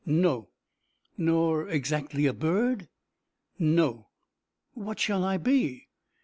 "No." "Nor exactly a bird?" "No." "What shall I be?"